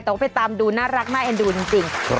แต่ก็ไปตามดูน่ารักมากให้ดูจริง